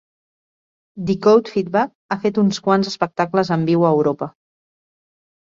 Decoded Feedback ha fet uns quants espectacles en viu a Europa.